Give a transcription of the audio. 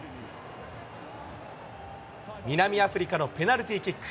南アフリカのペナルティーキック。